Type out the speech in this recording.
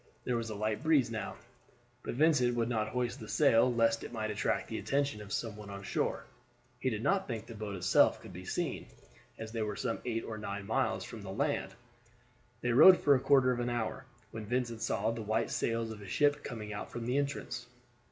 There was a light breeze now, but Vincent would not hoist the sail lest it might attract the attention of some one on shore. He did not think the boat itself could be seen, as they were some eight or nine miles from the land. They rowed for a quarter of an hour, when Vincent saw the white sails of a ship coming out from the entrance.